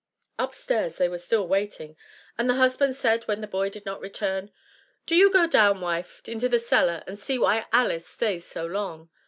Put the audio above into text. Upstairs they were still waiting, and the husband said, when the boy did not return, "Do you go down, wife, into the cellar and see why Alice stays so long."